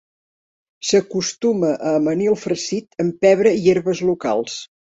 S'acostuma a amanir el farcit amb pebre i herbes locals.